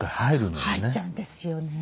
入っちゃうんですよね